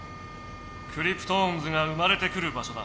クリプトオンズが生まれてくる場所だ。